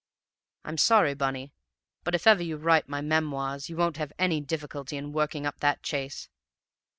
I'm sorry, Bunny; but if ever you write my memoirs, you won't have any difficulty in working up that chase.